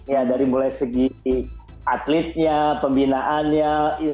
ya dari mulai segi atletnya pembinaannya